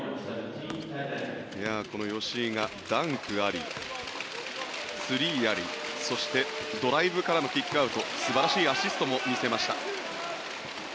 この吉井がダンクありスリーありそしてドライブからのキックアウト素晴らしいアシストも見せました。